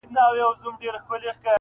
کرۍ ورځ چي یې مزلونه وه وهلي -